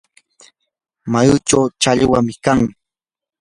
mayuchaw challwam kan.